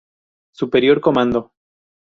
Superior comando.